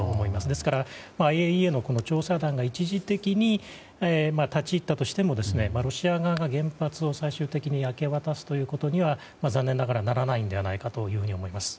ですから、ＩＡＥＡの調査団が一時的に立ち入ったとしてもロシア側が原発を最終的に明け渡すということには残念ながらならないのではないかと思います。